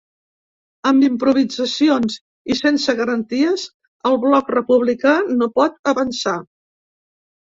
Amb improvisacions i sense garanties, el bloc republicà no pot avançar.